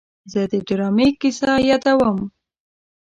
زه د ډرامې کیسه یادوم.